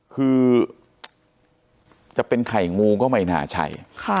คือจะเป็นไข่งูก็ไม่น่าใช่